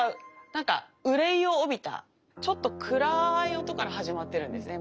なんか憂いをおびたちょっと暗い音から始まってるんですね